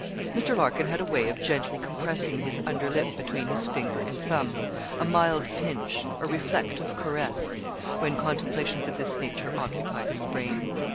Mr. Larkin had a way of gently compressing his under lip between his finger and thumb a mild pinch, a reflective caress when contemplations of this nature occupied his brain.